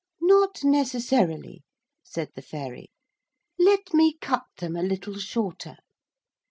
'Not necessarily,' said the Fairy; 'let me cut them a little shorter.'